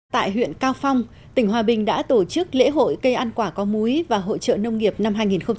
tại huyện cao phong tỉnh hòa bình đã tổ chức lễ hội cây ăn quả có múi và hội trợ nông nghiệp năm hai nghìn một mươi chín